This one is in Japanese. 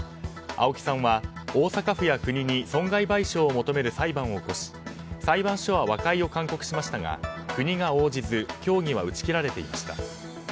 青木さんは大阪府や国に損害賠償を求める裁判を起こし裁判所は和解を勧告しましたが国が応じず協議は打ち切られていました。